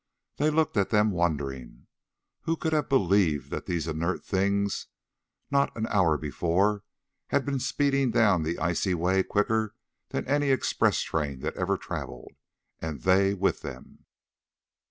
They looked at them wondering. Who could have believed that these inert things, not an hour before, had been speeding down the icy way quicker than any express train that ever travelled, and they with them?